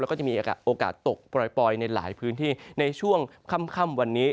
แล้วก็จะมีโอกาสตกปล่อยในหลายพื้นที่ในช่วงค่ำวันนี้